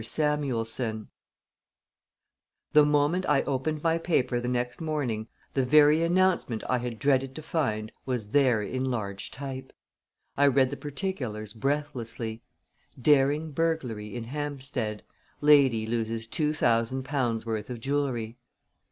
SAMUELSON The moment I opened my paper the next morning the very announcement I had dreaded to find was there in large type! I read the particulars breathlessly: DARING BURGLARY IN HAMPSTEAD LADY LOSES TWO THOUSAND POUNDS' WORTH OF JEWELRY.